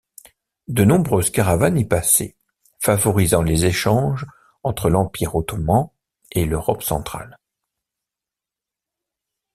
De nombreuses caravanes y passaient, favorisant les échanges entre l'Empire ottoman et l'Europe centrale.